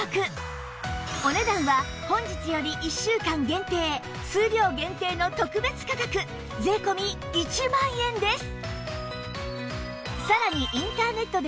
お値段は本日より１週間限定数量限定の特別価格税込１万円です